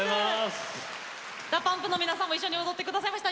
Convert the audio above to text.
ＤＡＰＵＭＰの皆さんも一緒に踊ってくださいました。